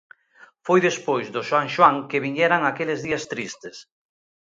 Foi despois do San Xoán que viñeran aqueles días tristes.